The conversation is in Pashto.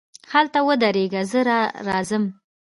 هلته ودرېږه، زه راځم.